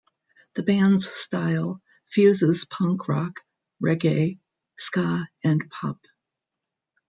The band's style fuses punk rock, reggae, ska and pop.